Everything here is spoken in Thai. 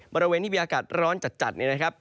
บริเวณที่มีอากาศร้อนจัดนี่นะครับ